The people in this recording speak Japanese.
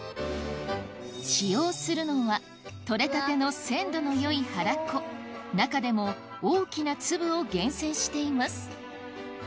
使用するのは取れたての鮮度の良いはらこ中でも大きな粒を厳選しています